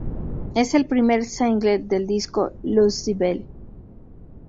Es el primer single del disco Lucybell.